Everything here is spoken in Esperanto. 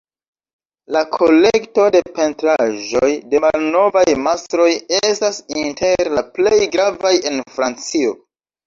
La kolekto de pentraĵoj de malnovaj mastroj estas inter la plej gravaj en Francio.